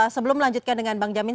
sebelum melanjutkan dengan bang jamin